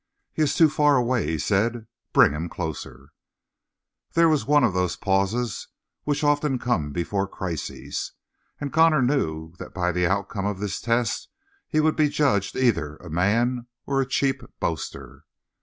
"He is too far away," he said. "Bring him closer." There was one of those pauses which often come before crises, and Connor knew that by the outcome of this test he would be judged either a man or a cheap boaster.